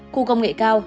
khu công nghệ cao